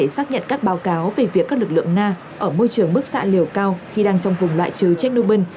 iaea sẽ xác nhận các báo cáo về việc các lực lượng nga ở môi trường bức xạ liều cao khi đang trong vùng loại trừ chechnobyl